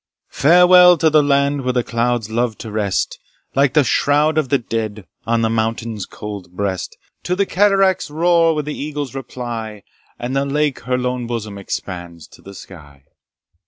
Farewell to the land where the clouds love to rest, Like the shroud of the dead, on the mountain's cold breast To the cataract's roar where the eagles reply, And the lake her lone bosom expands to the sky.